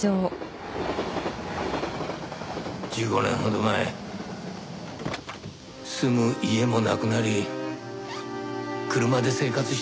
１５年ほど前住む家もなくなり車で生活してました。